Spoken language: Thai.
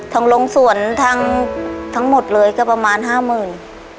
ทั้งลงสวนทั้งทั้งหมดเลยก็ประมาณ๕หมื่น